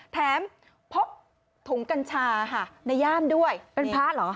แถมพบถุงกัญชาค่ะในย่ามด้วยเป็นพระเหรอ